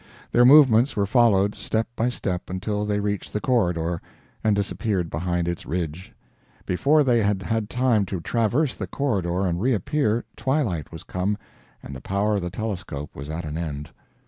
Their movements were followed, step by step, until they reached the "Corridor" and disappeared behind its ridge. Before they had had time to traverse the "Corridor" and reappear, twilight was come, and the power of the telescope was at an end.